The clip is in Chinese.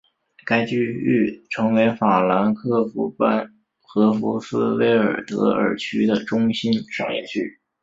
该区域成为法兰克福班荷福斯威尔德尔区的中心商业区。